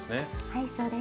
はいそうです。